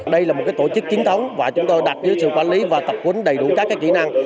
đây là một tổ chức chính thống và chúng tôi đặt dưới sự quản lý và tập quấn đầy đủ các kỹ năng